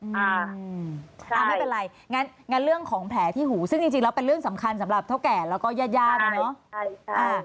ไม่เป็นไรงั้นเรื่องของแผลที่หูซึ่งจริงแล้วเป็นเรื่องสำคัญสำหรับเท่าแก่แล้วก็ญาติญาตินะเนาะ